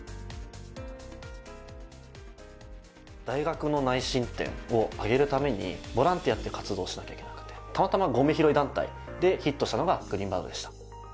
大学の内申点を上げるためにボランティアって活動をしなきゃいけなくてたまたまゴミ拾い団体でヒットしたのがグリーンバードでした。